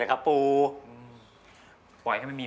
จัดเต็มให้เลย